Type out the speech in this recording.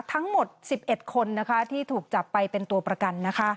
ทั้งหมดสิบเอ็ดคนนะคะที่ถูกจับไปเป็นตัวประกันนะคะ